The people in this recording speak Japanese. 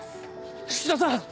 菱田さん！